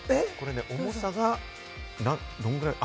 重さが、どのくらい？